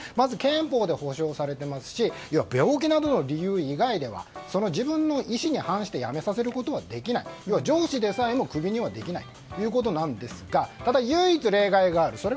憲法で保障されていますし病気などの理由以外では自分の意思に反して辞めさせることはできない要は上司でさえもクビにはできないということなんですがただ、唯一例外がある。